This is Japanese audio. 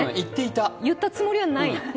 言ったつもりはない。